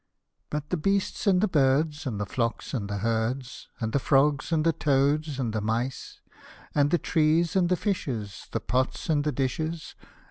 BUT the beasts and the birds, and the flocks and the herds, And the frogs, and the toads, and the mice ; And the trees, and the fishes, the pots, and the dishes.